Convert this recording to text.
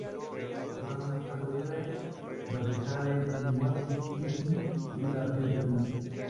Actualmente está libre tras dejar el Swansea City de la Premier League.